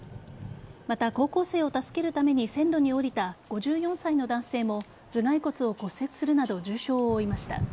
また、高校生を助けるために線路に降りた５４歳の男性も頭蓋骨を骨折するなど重傷を負いました。